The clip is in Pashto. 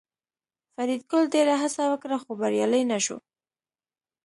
فریدګل ډېره هڅه وکړه خو بریالی نشو